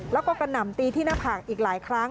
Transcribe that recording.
แล้วก็กระหน่ำตีที่หน้าผากอีกหลายครั้ง